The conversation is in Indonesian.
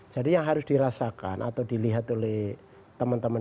jadi yang harus dirasakan atau dilihat oleh teman teman